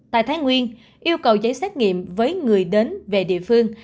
tại thái nguyên yêu cầu giấy xét nghiệm với người đến về địa phương